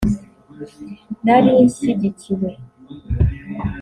”Nari nshyigikiwe